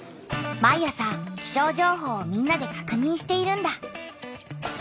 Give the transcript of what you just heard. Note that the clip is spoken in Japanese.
毎朝気象情報をみんなでかくにんしているんだ。